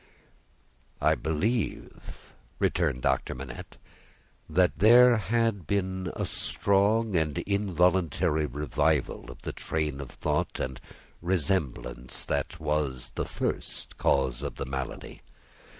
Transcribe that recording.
"I believe," returned Doctor Manette, "that there had been a strong and extraordinary revival of the train of thought and remembrance that was the first cause of the malady.